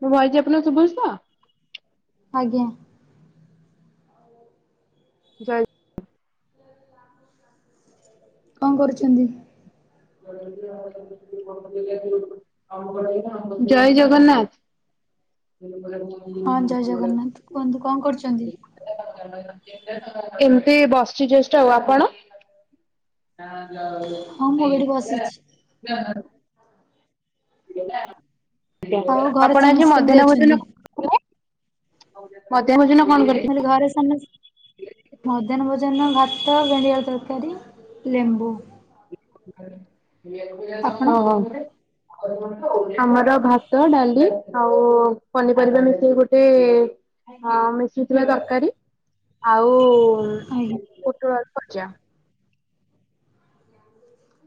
ମୋ ଭଏସ୍ ଆପଣଙ୍କୁ ଶୁଭୁଚି ତ? ଆଜ୍ଞା। ଜୟ କଣ କରୁଛନ୍ତି? ଜୟ ଜଗନ୍ନାଥ। ଏଇ ଏଇ ହଁ ଜୟ ଜଗନ୍ନାଥ କୁହନ୍ତୁ କଣ କରୁଛନ୍ତି? [unintelligible] ଏମିତି ବସିଛି ଯଷ୍ଟ ଅଉ। ଆପଣ? ହଁ ମୁଁ ବି ଏଠି ବସିଛି। [unintelligible] ଆଉ ଘରେ ଆପଣ ଆଜି ସମସ୍ତେ କେମିତି ମଧ୍ୟାହ୍ନ ଅଛନ୍ତି? ଭୋଜନ [inaudible] କଲେ? ମଧ୍ୟାହ୍ନ ଭୋଜନ ମୁଁ କହିଲି ଘରେ ସମସ୍ ମଧ୍ୟାହ୍ନ ଭୋଜନ ଭାତ, ଭେଣ୍ଡି, ଆଳୁ ତରକାରୀ, ଲେମ୍ବୁ। ଆପଣ? ହଁ ହଁ ଆମର ଭାତ, ଡାଲି ଆଉ ପନିପରିବା ମିଶେଇକି ଗୋଟେ ଅ ମିଶେଇ ଥିବା ତରକାରୀ। ଆଉ ଆଜ୍ଞା। ପୋଟଳା ଆଳୁ ଭଜା।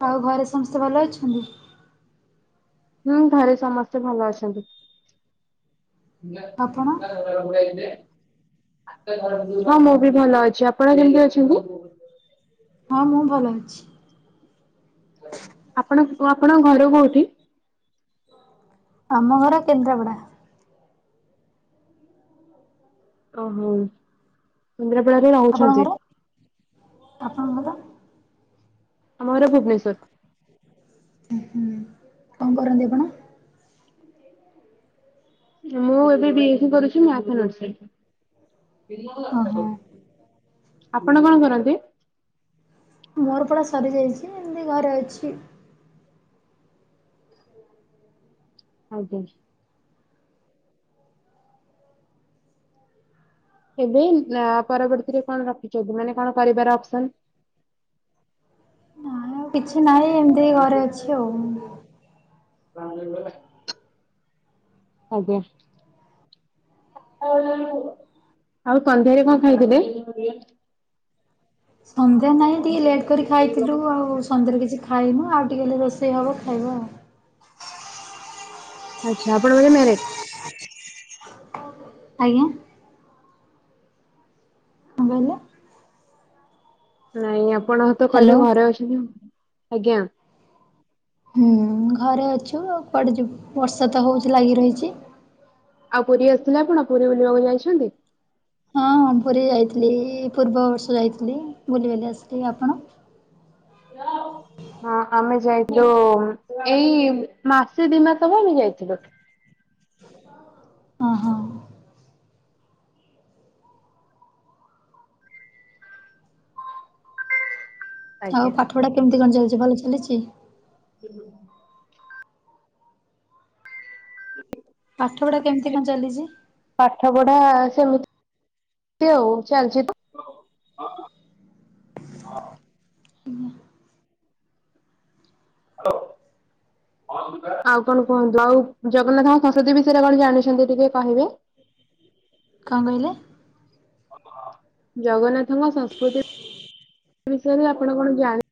ଆଉ ଘରେ ସମସ୍ତେ ଭଲ ଅଛନ୍ତି? ହୁଁ ଘରେ ସମସ୍ତେ ଭଲ ଅଛନ୍ତି। ଆପଣ? ହଁ ମୁଁ ବି ଭଲ ଅଛି ଆପଣ କେମିତି ଅଛନ୍ତି? ହଁ ମୁଁ ଭଲ ଅଛି। ଆପଣ କ ଆପଣଙ୍କ ଘର କୋଉଠି? ଆମ ଘର କେନ୍ଦ୍ରାପଡା। ଓହୋ କେନ୍ଦ୍ରାପଡାରେ ଆପଣଙ୍କ ରହୁଛନ୍ତି? ଘର? ଆପଣଙ୍କ ଘର? ଆମର ଭୁବନେଶ୍ୱର। ହୁଁ କଣ କରନ୍ତି ଆପଣ? ମୁଁ ଏବେ ବି ଏସି କରୁଛି ମ୍ୟାଥ ଓହୋ। ଅନର୍ସରେ। ଆପଣ କଣ କରନ୍ତି? ମୋର ପରା ସରି ଯାଇଛି ଏମିତି ଘରେ ଅଛି। ଆଜ୍ଞା। ଏବେ ନା ପରବର୍ତ୍ତୀରେ କଣ ରଖିଛନ୍ତି ମାନେ କଣ କରିବାର ଅପସନ୍? ନାଇଁ ଆଉ କିଛି ନାହିଁ ଏମତି ଘରେ ଅଛି ଆଉ। ଆଜ୍ଞା। ଆଉ ସନ୍ଧ୍ୟାରେ କଣ ଖାଇଥିଲେ? ସନ୍ଧ୍ୟା ନାହିଁ ଟିକେ ଲେଟ୍ କରି ଖାଇଥିଲୁ ଆଉ ସନ୍ଧ୍ୟାରେ କିଛି ଖ ଖାଇନୁ ଆଉ ଟିକେ ହେଲେ ରୋଷେଇ ହବ ଖାଇବ ଆଉ। ଆଚ୍ଛା ଆପଣ ବୋଧେ ମ୍ୟାରେଟ? ଆଜ୍ଞା। କଣ କହିଲେ? ନାଇଁ ଆପଣତେ କହିଲେ ହ୍ୟାଲୋ ଘରେ ଅଛନ୍ତି ଆଉ ଆଜ୍ଞା। ହୁଁ ଘରେ ଅଛୁ କୁଆଡେ ଯିବୁ ବର୍ଷା ତ ହଉଛି ଲାଗି ରହିଛି। ଆଉ ପୁରୀ ଆସିଥିଲେ ଆପଣ ପୁରୀ ବୁଲିବାକୁ ଯାଇଛନ୍ତି? ହଁ। ହଁ ପୁରୀ ଯାଇଥିଲି ପୂର୍ବବର୍ଷ ଯାଇଥିଲି ବୁଲି ବାଲି ଆସିଲ ଆପଣ? ହଁ ଆମେ ଯାଇ ଯୋଉ ଏଇ ମାସେ ଦି ମାସ ହବ ଆମେ ଯାଇଥିଲୁ। ଅହଂ। ଆଉ ଆଜ୍ଞା। ପାଠ ପଢା କେମିତି କଣ ଚାଲିଛି ଭଲ ଚାଲିଛି। ପାଠ ପଢା କେମିତି କଣ ଚାଲିଛି ପାଠ ପଢା ସେମିତି ହଉ ଚାଲିଛିତ। ହଁ। ଆଉ କଣ କୁହନ୍ତୁ ଆଉ ଜଗନ୍ନାଥଙ୍କ ସଂସ୍କୃତି ବିଷୟରେ କଣ ଜାଣିଛନ୍ତି ଟିକେ କହିବେ? କଣ କହିଲେ? ଜଗନ୍ନାଥଙ୍କ ସଂସ୍କୃତି ବିଷୟରେ ଆପଣ କଣ ଜାଣି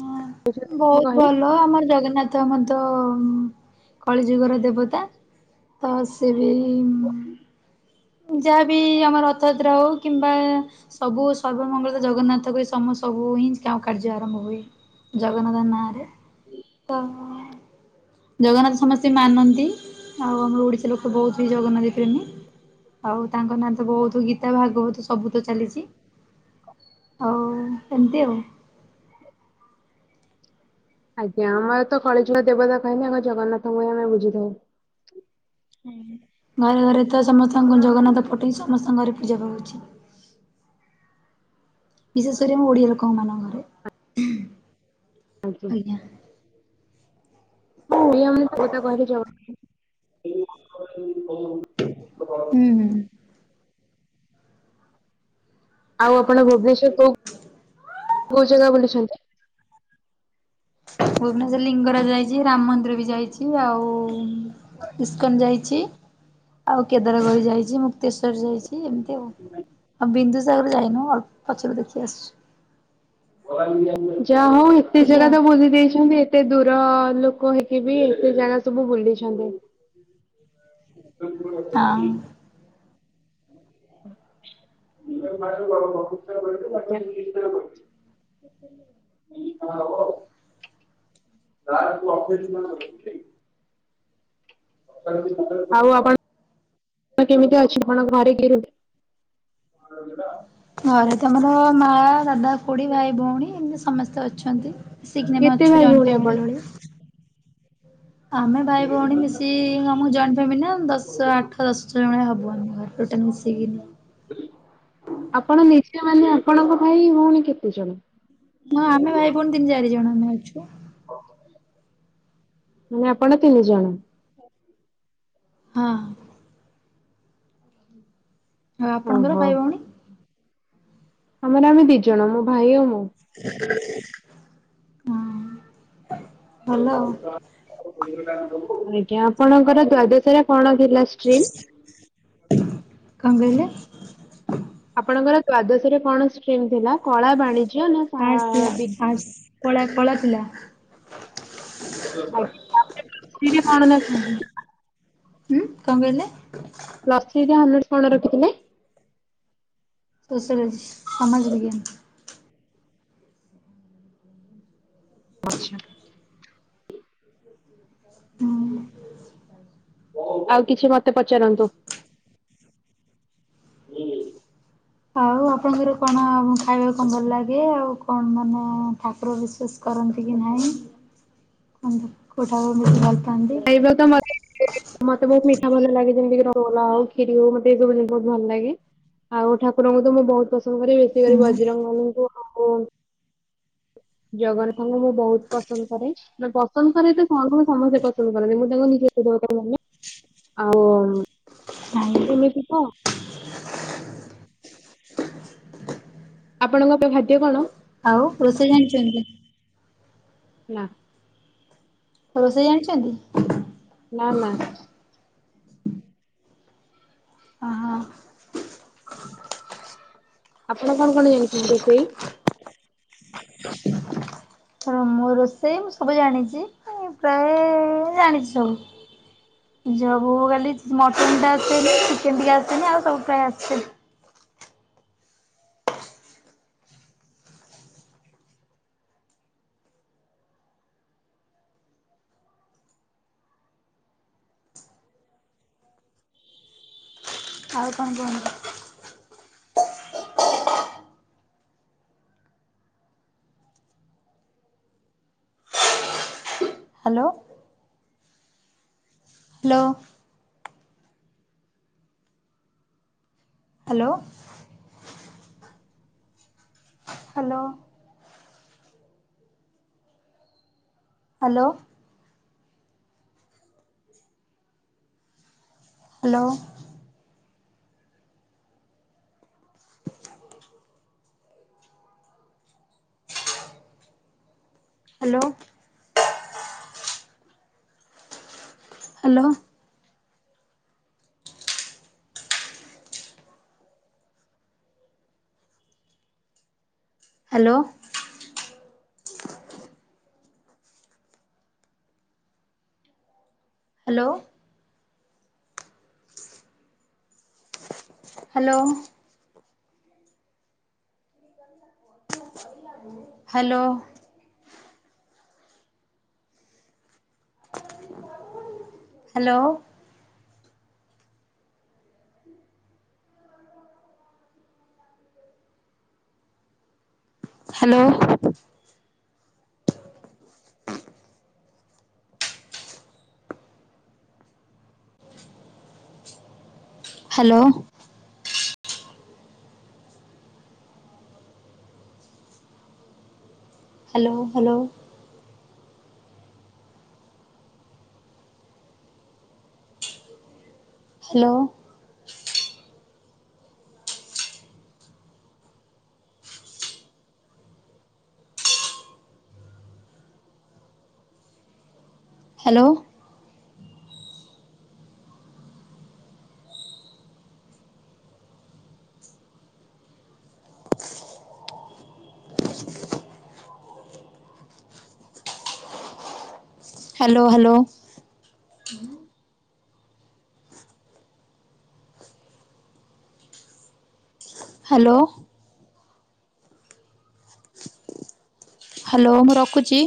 ହଁ ବହୁତ ଭଲ ଆମର ଜଗନ୍ନାଥ ମଧ୍ୟ କଳିଯୁଗର ଦେବତା ତ ସେ ବି ଯାହାବି ଆମର ରଥଯାତ୍ରା ହଉ କିମ୍ବା ସବୁ ସର୍ବମଙ୍ଗଳ ଜଗନ୍ନାଥଙ୍କୁ ସମ ସବୁ ଉଇଁଚ କା-କାର୍ଯ୍ୟ ହୁଏ ଜଗନ୍ନାଥ ନାଁରେ ତ ଜଗନ୍ନାଥ ସମସ୍ତେ ମାନନ୍ତି ଆଉ ଆମର ଓଡିଶା ଲୋକ ବହୁତ ହି ଜଗନ୍ନାଥ ପ୍ରେମୀ। ଆଉ, ତାଙ୍କ ନାଁ ତ ବହୁତ, ଗୀତା ଭାଗବତ ସବୁ ତ ଚାଲିଛି। ଆଉ ଏମିତି ଆଉ। ଆଜ୍ଞା ଆମର ତ କଳିଯୁଗ ର ଦେବତା କହିଲେ ଆମ ଜଗନ୍ନାଥଙ୍କୁ ଆମେ ବୁଝିଥାଉ। ଘରେ ଘରେ ତ ସମସ୍ତଙ୍କୁ ଜଗନ୍ନାଥ ଫୋଟ ବି ସମସ୍ତଙ୍କ ଘରେ ପୂଜା ପାଉଛି। [inaudible] ବିଶେଷ କରି ଆମ ଓଡିଆ ଲୋକ ମାନଙ୍କ ଘରେ। ଆଜ୍ଞା। ହଁ ଓଡ଼ିଆ ମାନଙ୍କ ଦେବତା କହିଲେ ଜଗନାଘଥ। ହୁଁ, ହୁଁ। ଆଉ ଆପଣ ଭୁବନେଶ୍ଵର କୋଉ କୋଉ ଜାଗା ବୁଲିଛନ୍ତି? ଭୁବନେଶ୍ୱର ଲିଙ୍ଗରାଜ ଯାଇଚି। ରାମ ମନ୍ଦିର ବି ଯାଇଛି, ଆଉ ଇସ୍କନ ଯାଇଛି। ଆଉ କେଦାରଗୌରୀ ଯାଇଛି, ମୁକ୍ତେଶ୍ଵର ଯାଇଛି, ଏମତି ଆଉ ଆଉ ବିନ୍ଦୁ ଜାଗାକୁ ଯାଇନୁ ଅଳ୍ ପଛରେ ଦେଖି ଆସିଛୁ। ଯା ହଉ ଏତେ ଏତିକି ଜାଗା ଆଉ ତ ବୁଲି ଦେଇଛନ୍ତି। ଏ ଏତେ ଦୂର ଲୋକ ହେଇକି ବି ଏତେ ଜାଗା ସବୁ ବୁଲିଛନ୍ତି। [inaudible] ହଁ। [inaudible] [inaudible] [unintelligible] ହବ [unintelligible] ଅଫିସ୍ [inaudible] ଆଉ ଆପଣ କେମିତି ଅଛି? ଆପଣଙ୍କ ଘରେ [inaudible] [inaudible] ଘରେ ତ ଆମର ମା, ଦାଦା, ଖୁଡି, ଭାଇ, ଭଉଣୀ ଏମିତି ସମସ୍ତେ ଅଛନ୍ତି। ସିଖନେମ୍ କେତେ ଅଛୁ ଭାଇ ଜେଣ୍ଟ ଭଉଣୀ ଆପଣ? ଫ୍ୟାମିଲି ଭଳିଆ। ଆମେ ଭାଇ ଭଉଣୀ ମିଶି ଆମ ଜଏଣ୍ଟ ଫ୍ୟାମିଲି ନା ଦଶ ଆଠ ଦଶ ଜଣ ଖଣ୍ଡେ ହବ। ଆମ ଘର ଟୋଟାଲ ମିଶିକିନି ଆପଣ ନିଜ ମାନେ ଆପଣଙ୍କ ଭାଇ ଭଉଣୀ କେତେ ଜଣ? ହଁ ଆମେ ଭାଇ ଭଉଣୀ ତିନି ଚାରି ଜଣ ଆମେ ଅଛୁ। ମାନେ ଆପଣ ତିନି ଜଣ। ହଁ। ଆଉ ଆପଣଙ୍କର ଓହୋ ଭାଇ ଭଉଣୀ? ଆମର ଆମେ ଦି ଜଣ ମୋ ଭାଇ ଆଉ ମୁଁ। ହଁ। ଭଲ ଆଉ ଆଜ୍ଞା, ଆପଣଙ୍କର ଦ୍ଵାଦଶରେ କଣ ଥିଲା ଷ୍ଟ୍ରିମ୍? କଣ କହିଲେ? ଆପଣଙ୍କର ଦ୍ଵାଦଶ ରେ କଣ ଷ୍ଟ୍ରିମ୍ ଥିଲା? କଳା, ବାଣି ଆର୍ଟସ୍ ଥିଲା। ଆର୍ଟସ୍ କଳା କଳା ଥିଲା। [inaudible] ହୁଁ, କଣ କହିଲେ? ପ୍ଲସ ଥ୍ରି ରେ ଅନର୍ଷ କଣ ରଖିଥିଲେ? ତୋ ସରଜ ସମାଜ ବିଜ୍ଞାନ। ଆଚ୍ଛା। ହୁଁ। ଆଉ କିଛି ମତେ ପଚାରନ୍ତୁ। ଆଉ, ଆପଣଙ୍କର କଣ ଖାଇବାକୁ କଣ ଭଲ ଲାଗେ? ଆଉ କଣ ମାନେ ଠାକୁର ବିଶ୍ଵାସ କ କରନ୍ତି କି ନାହିଁ! କନ୍ଧ-କଉ ଠାକୁରଙ୍କୁ ବେଶୀ ଭଲପା ଏଇ ତ ତମରେ, ମତେ ବହୁତ ମି ଭଲ ଲାଗେ, ଯେମିତିି କି [unintelligible] ହଉ, ଖିରୀ ହଉ ମତେ, ଏ ସବୁ ଜିନିଷ ବହୁତ ଭଲ ଲାଗେ। ଆଉ, ଠାକୁରଙ୍କୁ ତ ମୁଁ ବହୁତ ପସନ୍ଦ କରେ। ବେଶୀ ହୁଁ କରି ବଜରଙ୍ଗବଲୀଙ୍କୁ ଆଉ। ଜଗନ୍ନାଥଙ୍କୁ ମୁଁ ବହୁତ ପସନ୍ଦ କରେ। ମୁଁ ପସନ୍ଦ କରେ ତ ସମସ୍ତେ ପସନ୍ଦ କରନ୍ତି। ମୁଁ ତାଙ୍କୁ ନିଜ [unintelligible] ଆଉ ନାଇଁ ଏମିତି ତ! ଆପଣଙ୍କ ପାଇଁ ଖାଦ୍ୟ କଣ? ଆଉ ରୋଷେଇ ଜାଣିଛନ୍ତି? ନା, ରୋଷେଇ ଜାଣିଛନ୍ତି? ନା, ନା। ହଁ ଆପଣ କଣ, କଣ ଜାଣିଛନ୍ତି ରୋଷେଇ? ମୋ ରୋଷେଇ, ମୁଁ ସବୁ ଜାଣିଚି। ପ୍ରାୟ ଜାଣିଛି ସବୁ। ଯବୁ ବୁ କାଲି ମଟନ୍ ଟା ଆସନି। ଚିକେନ୍ ଟିକେ ଆସନି ଆଉ ସବୁ ପ୍ରାଏ ଆସଛି। ହଁ ଆଉ କଣ କୁହନୁ? Hello! Hello! Hello! Hello! Hello! Hello! Hello! Hello! Hello! Hello! Hello! Hello. Hello! Hello! Hello. Hello hello! Hello! Hello! Hello hello. Hello. Hello ମୁଁ ରଖୁଛି।